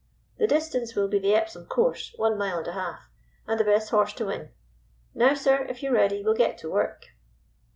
The distance will be the Epsom course, one mile and half, and the best horse to win. Now, sir, if you're ready we'll get to work."